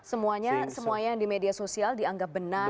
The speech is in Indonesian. semuanya semua yang di media sosial dianggap benar